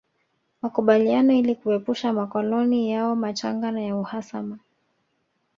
Makubaliano ili kuepusha makoloni yao machanga na uhasama